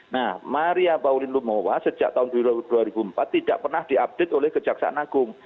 nah maria pauline lumowa sejak tahun dua ribu empat tidak pernah diupdate oleh kejaksaan agung